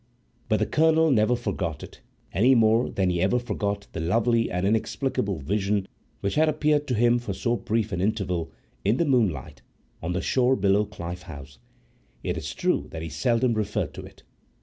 But the Colonel never forgot it, any more than he ever forgot the lovely and inexplicable vision which had appeared to him for so brief an interval, in the moonlight, on the shore below Clyffe House. It is true that he seldom referred to it.